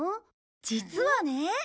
実はね。